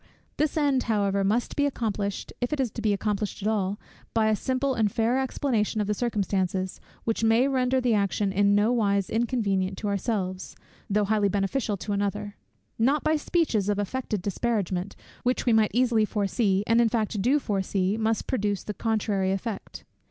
This end, however, must be accomplished, if to be accomplished at all, by a simple and fair explanation of the circumstances, which may render the action in no wise inconvenient to ourselves, though highly beneficial to another; not by speeches of affected disparagement, which we might easily foresee, and in fact do foresee, must produce the contrary effect.